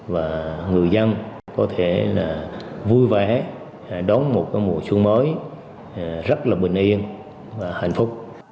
và người dân có thể là vui vẻ đón một mùa xuân mới rất là bình yên và hạnh phúc